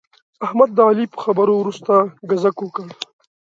احمد د علي په خبرو ورسته ګذک وکړ.